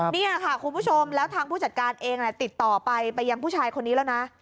นี่ค่ะคุณผู้ชมแล้วทางผู้จัดการเองติดต่อไปไปยังผู้ชายคนนี้แล้วนะ